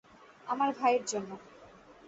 আমার ভাইয়ের জন্য!